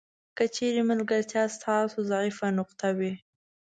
که چیرې ملګرتیا ستاسو ضعیفه نقطه وي.